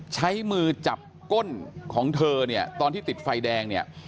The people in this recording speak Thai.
ใช้มือจับก้นของเธอตอนที่ติดไฟแดง